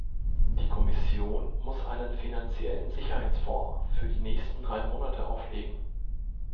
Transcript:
Die Kommission muss einen finanziellen Sicherheitsfonds für die nächsten drei Monate auflegen.